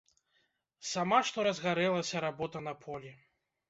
Сама што разгарэлася работа на полі.